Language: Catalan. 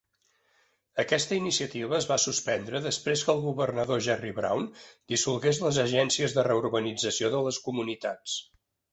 Aquesta iniciativa es va suspendre després que el governador Jerry Brown dissolgués les agències de reurbanització de les comunitats.